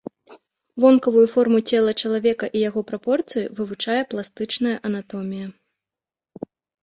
Вонкавую форму цела чалавека і яго прапорцыі вывучае пластычная анатомія.